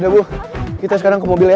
udah bu kita sekarang ke mobil ya